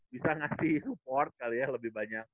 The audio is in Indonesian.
bisa ngasih support kali ya lebih banyak